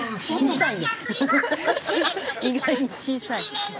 小さいね。